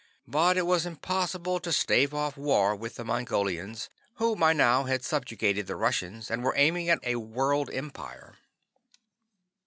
But it was impossible to stave off war with the Mongolians, who by now had subjugated the Russians, and were aiming at a world empire.